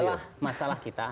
adalah masalah kita